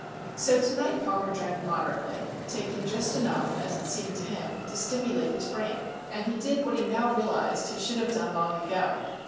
So tonight Palmer drank moderately, taking just enough, as it seemed to him, to stimulate his brain. And he did what he now realized he should have done long ago.